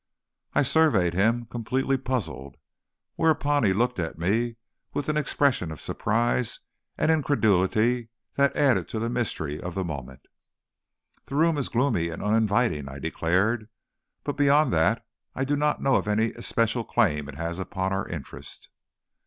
I surveyed him, completely puzzled. Whereupon he looked at me with an expression of surprise and incredulity that added to the mystery of the moment. "The room is gloomy and uninviting," I declared; "but beyond that, I do not know of any especial claim it has upon our interest."